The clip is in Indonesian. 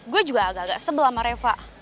gue juga agak agak sebel sama reva